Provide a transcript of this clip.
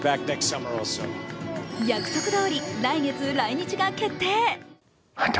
約束どおり、来月来日が決定。